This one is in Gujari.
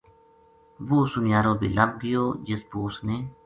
وہ سُنیارو بے لَبھ گیو جس پو اُس نے